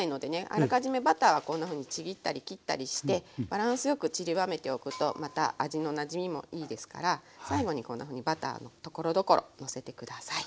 あらかじめバターはこんなふうにちぎったり切ったりしてバランスよくちりばめておくとまた味のなじみもいいですから最後にこんなふうにバターところどころのせて下さい。